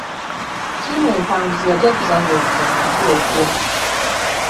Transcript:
Ttiimu empanguzi yajaguza nga emizannyo giwedde.